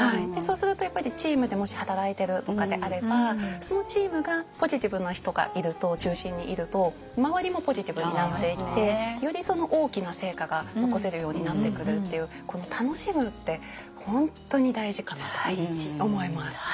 そうするとやっぱりチームでもし働いてるとかであればそのチームがポジティブな人が中心にいると周りもポジティブになっていってより大きな成果が残せるようになってくるっていうこの楽しむって本当に大事かなと思います。